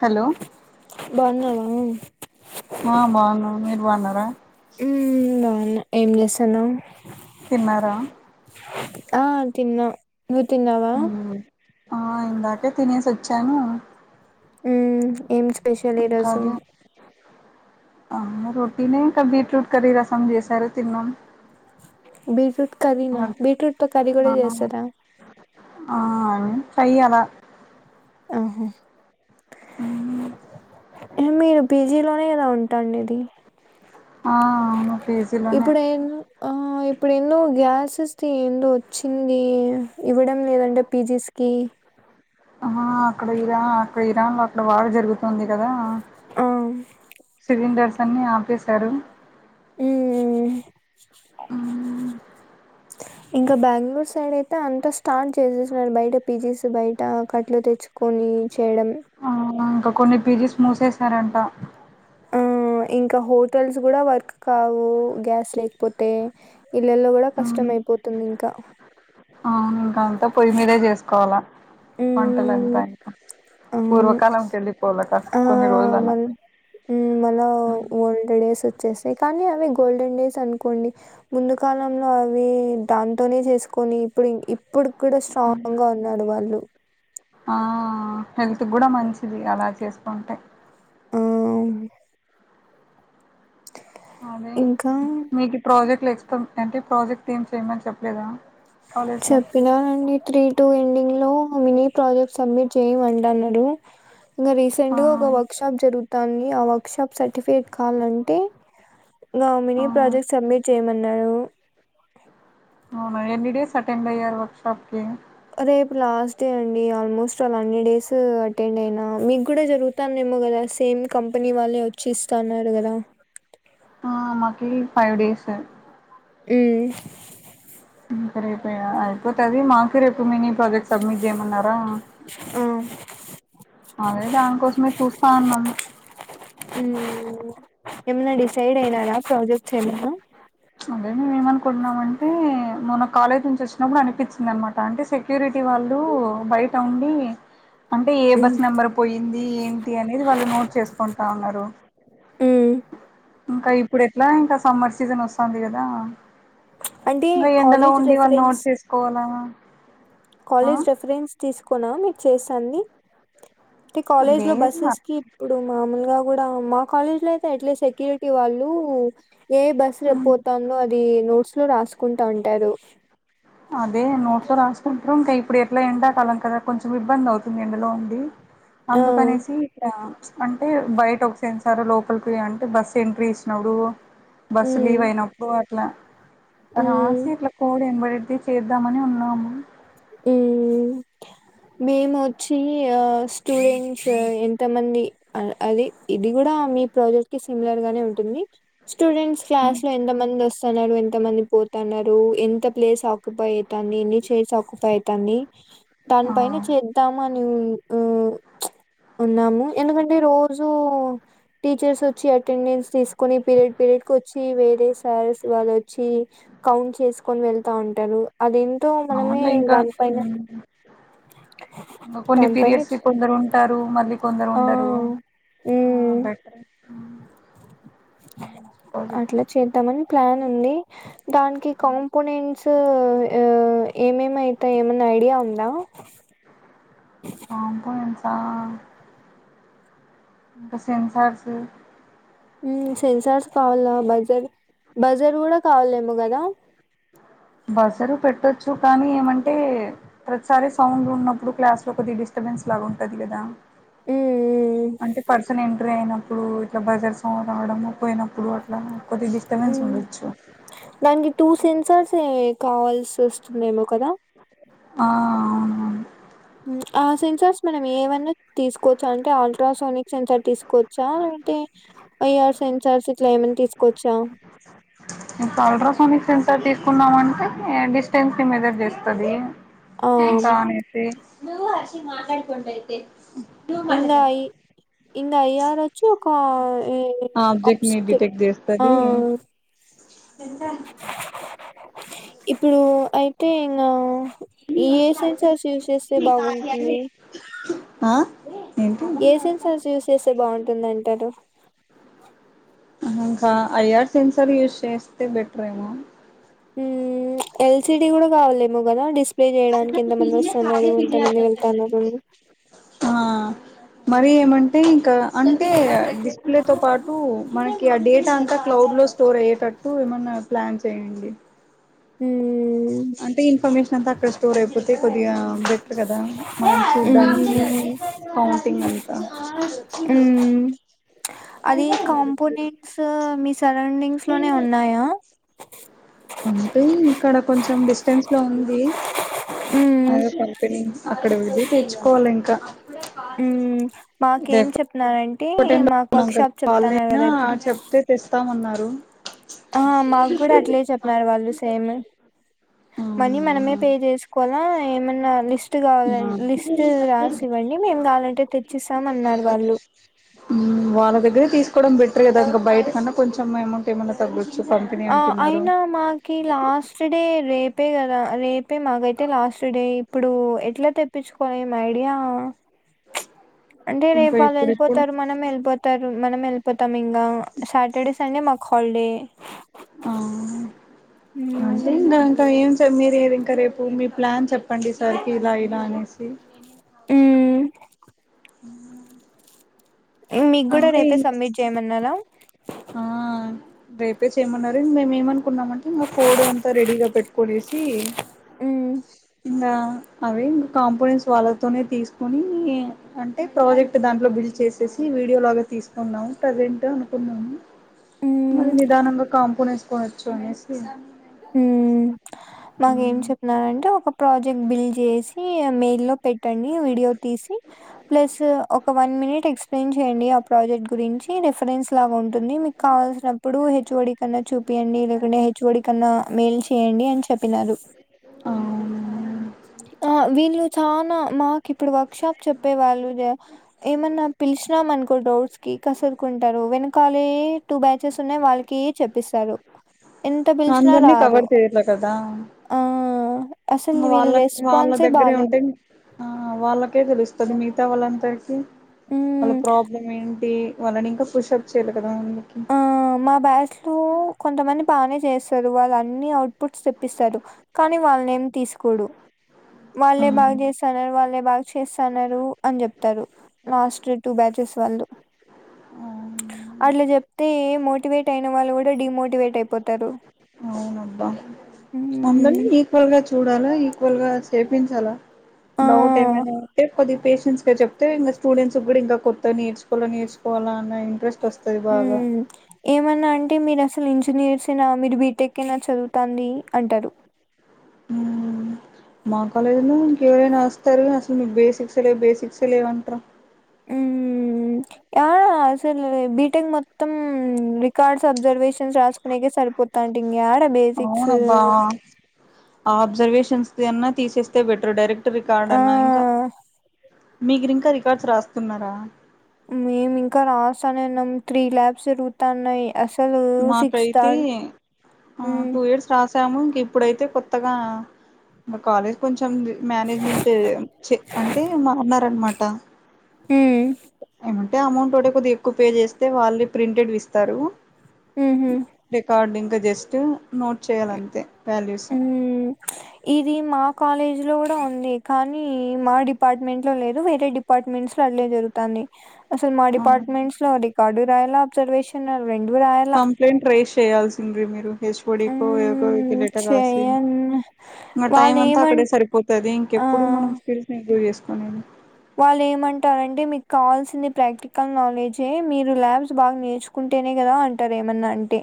Hello బాగున్నావా ఆ బాగున్నాను మీరు బగ్గున్నారా ఉమ్ బాగున్నా ఏం చేసానవ్ తిన్నారా ఆ తిన్నా నువు తిన్నావా మ్మ్. ఆ ఇందాకే తినేసొచ్చాను ఉమ్ ఏం స్పెషల్ ఈరోజు ఆము రొటీన్ ఇక బీట్రూట్ కర్రీ రసం చేసారు తిన్నాం బీట్రూట్ కర్రినా అది బీట్రూట్ తొ కర్రీ కూడ ఆ చేస్తారా ఆ ఫ్రై అలా ఆహ హ ఇక మీరు పీజీ లోనే కద ఉంటాండేది ఆ అవును పీజీలోనే ఇప్పుడేమ్ ఆ ఆ ఇప్పుడేమ్దొ గ్యాసెస్ది ఎందో వచ్చింది ఇవ్వడం లేదంట పీజీస్కి ఆ అక్కడ ఇరాన్ అక్కడ ఇరాన్ లో అక్కడ వార్ జరుగుతుంది కదా ఆ సిలిండర్స్ అన్ని ఆపేశారు ఉమ్ ఆ ఇంక బెంగళూరు సైడ్ అయితే అంత స్టార్ట్ చేసేసినారు బయట పీజీ స్ బయట కట్లు తెచ్చుకొని చేయడం ఆ ఇంకా కొన్ని పీజీ స్ మూసేశారంట ఇంక హోటల్స్ కూడా వర్క్ కావు గ్యాస్ లేకపోతే ఇళ్లల్లో కూడా కష్టం మ్మ్. అయిపోతుంది ఇంకా అవును ఇంకా అంతా పొయ్యి మీదే చేసుకోవాలా వంటలంతా మ్మ్ ఇంకా పాత అవును కాలంకి వెళ్ళిపోవాల క కొన్ని రోజులన్నా ఉ మల వోల్డ్ డేస్ వచ్చేసాయి కానీ అవి గోల్డన్ డేస్ అనుకొండి కోండి ముందు కాలంలో అవి దాంతోనే చేసుకొని ఇప్పుడు ఇప్పుడు కూడా స్ట్రాంగ్ గా ఉన్నారు వాళ్ళు ఆ హెల్త్కు కూడా మంచిది అలా చేసుకుంటే ఆ అదే ఇంకా మీకు ఈ ప్రాజెక్ట్లు ఎక్స్ అంటే ప్రాజెక్ట్ ఏమ్ చేయమని చెప్పలేదా కాలేజ్లో చెప్పినారండి త్రీ టు ఎండింగ్ లొ లో మినీ ప్రాజెక్ట్ సబ్మిట్ చేయమంటన్నారు ఇంకా ఆ రీసెంట్ గా ఒక వర్క్ షాప్ జరుగుతాంది ఆ వర్క్ షాప్ సర్టిఫికెట్ కావాలంటే ఇంక ఆ మిని ప్రాజెక్ట్ సబ్మిట్ చేయమన్నారు అ అటెండయారా వర్కుషాపు కి రేపు లాస్ట్ డే అండి ఆల్మోస్ట్ ఆల్ అన్ని డేస్ అటెండ్ అయినా మీకు కూడా జరుగుతానయా కదా సేమ్ కంపెనీ వాళ్ళే వచ్చిఇస్తా నార్ కదా ఆ మాకి ఫైవ్ డేస్ అ ఇంక రేపు అయిపోతది మాకు రేపు మినీ ప్రాజెక్ట్ సబ్మిట్ చేయమన్నారు ఆ అదే దానికోసమే చూస్తాన్నాము ఉమ్ ఏమన్నా డిసైడ్ అయినారా ప్రాజెక్ట్స్ ఏమన్నా అదే మేము ఏమనుకుంటున్నాం అంటే మొన కాలేజ్ నుంచి వచ్చినప్పుడు అనిపించింది అనమాట అంటే సెక్యూరిటీ వాళ్ళు బయట ఉండి అంటే ఏ ఉమ్ బస్ నెంబర్ పోయింది ఏంటి అనేది వాళ్ళు నోట్ చేసుకుంటాన్నారు ఉమ్ ఇంకా ఇప్పుడు ఎట్లా ఇంక సమ్మర్ సీజన్ వస్తాఉంది కదా అంటే ఇంక ఎండలో కాలేజ్ ఉండి వాళ్లు రెఫరెన్స్ నోట్ చేసుకోవాల కాలేజ్ రెఫరెన్స్ తీసుకొన మీరు చేస్తాంది మీ కాలేజ్ లో లేదు బస్సెస్ కి ఇప్పుడు మామూలుగా కూడా మా కాలేజీ లో అయితే ఎట్ లీస్ట్ సెక్యూరిటీ వాళ్ళు ఏ బస్సు పోతుందో అది నోట్స్ లో రాసుకుంటా ఉంటారు అదే నోట్లో రాసుకుంటారు ఇంకా ఇప్పుడు ఎట్లా ఎండాకాలం కదా కొంచెం ఇబ్బంది అవుతుంది ఎండలో ఉండి ఆ అందుకనేసి ఇక్కడ అంటే బయట ఒక సెన్సార్ లోకల్కి అంటే బస్సు ఎంట్రీ ఇచ్చినప్పుడు బస్ లీవ్ ఉమ్ అయినప్పుడు అట్ల ఉమ్ రాశీట్లా కోడ్ ఎన్ ట్రీ చేద్దామని ఉన్నాము ఉమ్ మేము వచ్చి ఆ స్టూడెంట్స్ ఎంతమంది అది ఇది కూడా మీ ప్రాజెక్ట్ కి సిమిలర్ గానే ఉంటుంది స్టూడెంట్స్ క్లాస్ లో ఎంత మంది వస్తున్నారు ఎంతమంది పోతున్నారు ఎంత ప్లేస్ ఆ క్కుపోయతాన్ని ఇన్ని చేసాకు అవుతుంది దాని ఆ పైన చేద్దామని ఉన్నాము ఎందుకంటే రోజూ టీచర్స్ వచ్చి అటెండెన్స్ తీసుకుని పీరియడ్ పీరియడ్ కు వచ్చి వేరే సార్స్ వాళ్ళొచ్చి కౌంట్ చేసుకొని వెళ్తా ఉంటారు అదేంటో మనమే అ దానిపైన ఇంకా కొన్ని దానిపైన పీరియడ్స్ చ్- కొందరు ఉంటారు మళ్ళీ కొందరు ఆ ఉండరు ఆ హ్మ్ బెటర్ అట్లా చేద్దామని ప్లాన్ ఉంది దానికి కాంపోనెంట్స్ ఏమేమివుతా ఏమన్న ఐడియా ఉందా ఆ కాంపోనెంట్స్ ఆ ఇంకా సెన్సర్స్ సెన్సార్స్ కావాల బజార్ బజార్ కూడా కావాలేమో కదా బసరు పెట్టొచ్చు కానీ ఏమంటే ప్రతిసారి సౌండ్ ఉన్నప్పుడు క్లాస్ లో కొద్ది డిస్టర్బెన్స్ ఉంటది కద హ్మ్ అంటే పన్ ఎంటర్ అయినప్పుడు ఇట్లా బజార్ సౌండ్ రావడము పోయినప్పుడు అట్లా కొద్దిగా డిస్టర్బెన్స్ ఉమ్ ఉండొచ్చు దానికి టూ సిమ్ సార్ స కావాల్సి వస్తుందేమో కదా ఆ అవునువును ఆ సెన్సార్స్ మనం ఏవన్నా తీసుకోవచ్చు అంటే అల్ట్రాసోనిక్ సెన్సార్ తీసుకోవచ్చా లేంటే ఐఆర్ సెన్సార్స్ ఇట్లా ఏమన్నా తీసుకోవచ్చా ఇడు అల్ట్రాసానిక్ సెన్సర్ తీసుకున్నామంటే డిస్టెన్స్ ని మెజర్ చేస్తుది ఆ ఉంటే అనేసి ఇంగ ఇంగ ఏ అయ్యారచ్చు ఆబ్జెక్ట్ ఆప్స్ ని డిటెక్ట్ ఆ ఎంత ఇప్పుడు అయితే ఇంగ ఏ సెన్సార్స్ యూజ్ చేస్తే బాగుంటుంది ఆ ఏంటి ఏ సన్సార్స్ యూస్ చేస్తే బాగుంటుంది అంటారు ఇంకా ఐఆర్ సెన్సర్ యూస్ చేస్తే బెటరేమో ఎల్సిడి కూడా కావాలేమో కదా డిస్ ప్లే చేయడానికి ఎంతమంది వస్తన్నారు ఎంతమంది వెళ్తన్నారు ఆ మరి ఏమంటే ఇంకా అంటే డిస్ప్లే తో పాటు మన ఆ డేటా అంతా క్లౌడ్ లో స్టోర్ అయ్యేటట్టు ఏమన్నా ప్లాన్ చేయండి హ్మ్ అంటే ఇన్ఫర్మేషన్ అంతా అక్కడ స్టోర్ అయిపోతుంది అయి కొద్దిగా బెటర్ కదా మనం చూడ్డానికి హ్మ్ కౌంటింగ్ అంతా ఆవు కలు హ్మ్ అది కాంపోనెంట్స్ మీ సరౌండింగ్స్ లోనే ఉన్నాయా అంటే ఇక్కడ కొంచెం డిస్టెన్స్ లో ఉంది హ్మ్ అదే కంపెనీ అక్కడే వెళ్ళి తీచ్చుకోవాలి ఇంకా ఉహ్ మాకేం చేపినరాన్ ఒకటే డానం కదా వాళ్ళైనా ఇప్పుడు చెప్తే తేస్తాము అన్నారు. ఆ మాకు కూడా అట్లే చేపిన్నారు వాళ్ళు సేము. మనీ మనమే పే జేసుకోవాలా ఏమన్నా లిస్ లిస్ట్ గావాలన్ ఆ లిస్ట్ రాసి ఇవ్వండి. మేం గావాలంటే తెచ్చిస్తాం అన్నారు వాళ్ళు ఉ వాళ్ళ దగ్గరే తీసుకోడం బెట్ట్రరే గాదా ఇగా బయట కన్నా కొంచం ఏమౌంట్ ఏమన్నా తగ్గు ఆ అయినా మాకి లాస్ట్ డే రేపే గదా రేప్ పే మాగైతే లాస్ట్ డే ఇప్పుడు ఎట్లా తెప్పించుకోనిమ్ ఐడియా అంటే ఇంకా రేపు ఆళ్ళు ఇప్పుడిప్పుడు ఏళ్ళిపోతారు. మనం ఏళ్ళిపోతారు, మనం ఏళ్ళిపోతాం ఇంగా సాటర్డే సండే మాకు హాలడే ఆ అంటే మ్మ్. ఇంగా ఇంకా ఏం చేమ్ మీర్ రేర్ ఇంకా రేపు మీ ప్లాన్ చెప్పండి. సార్కి ఇలా ఇలా అనేసి మ్మ్. ఉమావో మీకు కూడా అంతే రేపే ఇంకా సబ్మిట్ చేయమన్నారా ఆఆ రేపే చేయమన్నారు మేము ఏమనుకున్నామంటే మా కోడ్ అంతా రెడీగా పెట్టుకోడేసి హుహ్ ఇంగా అవే ఇంకా కాంపోనెంట్స్ వాళ్ళతోనే తీసుకుని అంటే ప్రాజెక్ట్ దాంట్లో బిల్ చేసేస్ ఈ వీడియో లాగా తీసుకున్నాం ప్రసెంట్ అనుకున్నాము. మది మ్మ్. నిదానంగా కాంపనేస్ వాచ్చో అనేసి ఉహ్మ్ మాక్ ఏం చెప్పినారంటే ఒక ప్రాజెక్ట్ బిల్ జేసి ఆ మెయిల్ లో పెట్టండి వీడియో తీస్ హి ప్లేసు ఒక వన్ మినిట్ ఎక్సప్లయిన్జ్ హేయండి. ఆ ప్రాజెక్ట్ గురించి రెఫరెన్స్ లాగా ఉంటుంది. మీకు కావాల్సినప్పుడు హెచ్ఓడి కన్నా చూపియండి. ఇడాకుంటే హెచ్ఓడి కన్నా మెయిల్ చేయండి అని చెప్పినారు. అవును ఆ వీళ్ళు చానా మాక్ ఇప్పుడు వర్క్ షాప్ చెప్పే వాళ్ళు జే ఏమన్నా పిలష్నం అన్క్ కో డౌట్స్ కి కసరుకుంటారు. వెనకాలే టూ బ్యాచెస్ ఉన్నాయ్ వాళ్ళకే చెప్పిసరు. ఎంత పిలిచిన్నా అందరినీ రారు. కవర్ చేయట్లే కదా ఆ అసలు వీళ్ వాళ్ళ రే వాళ్ళ దగ్గరే ఉంటేన్ ఆ వాళ్ళకే దేలుస్తది. మిగతా వాళ్ళంతరికీ హ్మ్. వాళ్ళ ప్రాబ్లం ఏంటి వాళ్ళని ఇంకా పుషప్ చేయలే గాదా అందుకి ఆ మా బ్యాచ్ లో కొంతమంది బానే చేసరు వాళ్ళ అన్ని అవ్ పుట్స్ సిప్పిసరు. కానీ వాళ్ళనేం తీసుకోడు. వాళ్ళే బాగ్ జేసారా. వాళ్ళే బాగ్ చేస్ తన్నారు అని జేప్తారు. లాస్టు టూ బ్యాచెస్ వాళ్ళు అట్లా జేప్తే మోటివేట్ అయిన వాళ్ళు కూడా డిమోటివేట్ అయిపోతారు. అందర్నీ మ్మ్ ఈక్వల్ గా చూడాలా ఈక్వల్ గా చేపించాలా ఆ డౌట్ ఏమైనా ఉంటే కొద్దిప్ పేషెంట్స్గా జేప్తే ఇంగా, స్టూడెంట్స్ కి గూడా ఇంగా, కొత్త నేర్చుకోలే, నేర్చుకోవాల అన్న ఇంట్రెస్ట్ వస్త్ హుహు్ ఏమన్నాడ్ అంటే మీరు అసలు ఇంజనీర్స్ ఏనా మీరు బీటెకేనా చదువుతాది అంటరు. మువు మా కాలేజ్ లో ఇంకెవరైనా వస్తరు. అసలు మీ బేసిక్స్ లే, బేసిక్స్ లేవ్ అంటరా. యాడా అసలు బీటెక్ మొత్తం రికార్డ్స్ అబ్జర్వేషన్స్ రాసుకునేకే సరిపోతాండి. ఇగ్నక్యాడ బేసిక్సు అవునబ్బా ఆ అబ్జర్వేషన్సది అన్న తీసేస్తే బెటర్ డైరెక్ రికార్డ్ ఆ అన్నా ఇంకా మీక్రీ ఇంకా రికార్డ్స్ రాస్తున్నారా. మేము ఇంకా రాస్తానేన్నాం త్రీ ల్యాబ్స్ జరుగుతాన్నాయి అసలు సిక్స్థ మాకైతే మ్మ్ సాము ఇంకిప్పుడైతే కొత్తగా కాలేజ్ కొంచె చం మానేజ్మెంట్ అంటే మార్నారనమాట మ్మ్ అంటే అమౌంట్ ఒకటే కొద్దిగా ఎక్కువ పే చేస్తే వాళ్ళు ప్రింటెడ్ విస్తారు మ్మ్ హ్మ్ రికార్డు ఇంకా జస్ట్ నోట్ చేయాలంతే వాల్యూస్ మ్మ్ లో కూడా ఉంది కానీ మా డిపార్ట్మెంట్ లో లేదు వేరే డిపార్ట్మెంట్స్ లో అలే జరుగుతాంది అసలు మా డిపార్ట్మెంట్స్ లో రికార్డు రాయాల అబ్జర్వేషన్ రెండు రాయల్ల కంప్లైంట్ రేస్ చేయాల్సింది మీరు హెచ్ ఓడీకో ఎవరికో ఒకరికి మ్మ్ లెటర్ రాసి చేయన్ ఇంగ టైం వాళ్ళు అంతా ఏమం అక్కడే సరిపోతది ఆ ఇంకెప్పుడు మనం స్కిల్స్ ఇంప్రూవ్ చేసుకునేది వాళ్ళు ఏమంటారంటే మీకు కావాల్సింది ప్రాక్టికల్ నాలెడ్జే మీరు ల్యాబ్స్ బాగా నేర్చుకున్ టేనే కదా అంటారు ఏమన్నా అంటే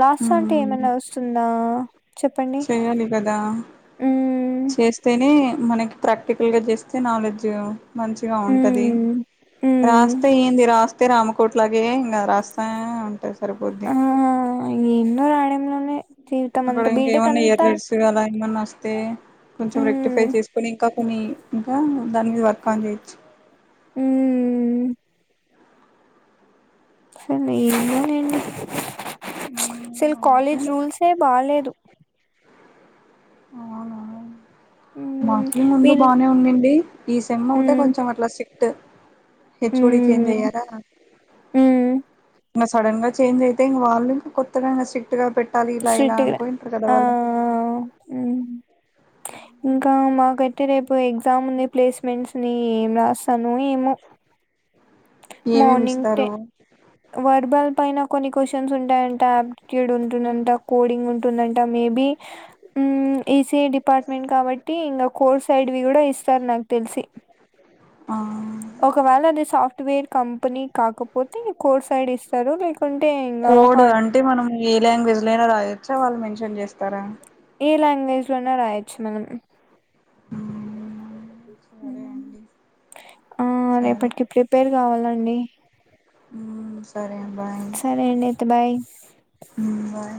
రాస్తాంటే మ్మ్ ఏమన్నా వస్తుందా చెప్పండి చేయాలి కదా మ్మ్ చేస్తేనే మనకి ప్రాక్టికల్ గా చేస్తే నాలెడ్జ్ మంచిగా ఉంటది మ్మ్ మ్మ్ రాస్త ఏంది రాస్ తే రామకోటి లాగే ఇంగ రాస్తానే ఉంటే సరిపోద్ది రాయడం లోనే అక్కడ ఇంకా ఏమన్నా ఎర్రర్స్ అలా ఏమన్నా వస్తే కొంచెం రెక్టిఫై ఉమ్ చేసుకొని ఇంకా కొని ఇంకా దాని మీద వర్క్ అన్ చేయొచ్చు మ్మ్ సరే ఏందోలేండి మ్మ్ అసలు అంతే కాలేజ్ రూల్సే బాలేదు అవునా ఉమ్ మాకి ముందు వీళ్ళు బానే ఉన్నింది ఈ సెమ్ ఒకటే ఉమ్ కొంచెం అట్లా సిక్ట్ హెచ్ వో డి చేేంజ్ ఉమ్ అయ్యారా ఉమ్ ఇంగ సడెన్ గా చేంజ్ అయితే ఇంక వాళ్ళ ఇంకొత్తగా సి ట్టుగా పెట్టాలి ఇలా ఇలా స్ట్రిక్ట్గా అనుకోయింటారు కదా ఆ వాళ్ళు ఉమ్ ఇంకా మాకైతే రేపు ఎగ్జామ్ ఉంది ప్లేస్మెంట్స్ ని ఏం రాస్తానో ఏమో ఏమేమి మానింగ్ టె ఇస్తారు వర్బల్ పైన కొన్ని క్వశ్చన్స్ ఉంటాయంట ఆప్ట్యూడ్ ఉంటుందంట కోడింగ్ ఉంటుందంట మేబి మ్మ్ ఈసీఈ డిపార్ట్మెంట్ కాబట్టి ఇంకా కోర్ సైడ్వి కూడా ఇస్తారు నాకు తెలిసి ఆ ఒకవేళ అది సాఫ్ట్వేర్ కంపెనీ కాకపోతే కోర్ సైడ్ ఇస్తారు లేకుంటే ఇంగ కోడ్ హార్ట్ వచ్చా వాళ్ళు మెన్షన్ చేస్తారా ఏ లాంగ్వేజ్ లో అయినా రాయొచ్చు మనం ఉ ఆ సరే రేపటికి ప్రిపేర్ కావాలండి మ్మ్, సరే బాయ్ సరే అండి అయితే బాయ్ మ్మ్, బాయ్